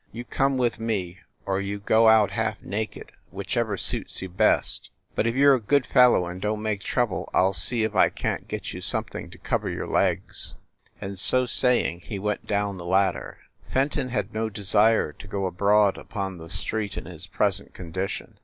"You come with me, or you go out half naked, whichever suits you best. But if you re a good fellow and don t make trouble, I ll see if I can t get you something, to cover your legs." And, so saying, he went down the ladder. Fenton had no desire to go abroad upon the street in his present condition.